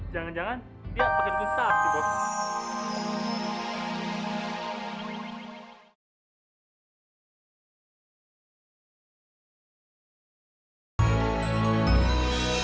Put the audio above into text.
jangan jangan dia pakai gunta